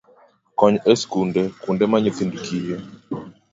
Kony e skunde, kuonde ma nyithind kiye